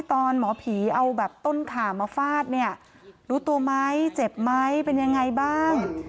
หมอผีเอาแบบต้นขามาฟาดเนี่ยรู้ตัวไหมเจ็บไหมเป็นยังไงบ้าง